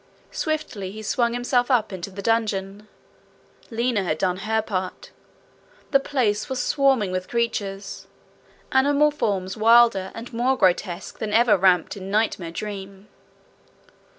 Swiftly he swung himself up into the dungeon. Lina had done her part. The place was swarming with creatures animal forms wilder and more grotesque than ever ramped in nightmare dream.